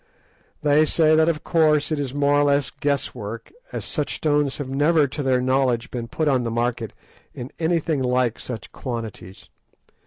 They say that of course it is more or less guess work, as such stones have never to their knowledge been put on the market in anything like such quantities.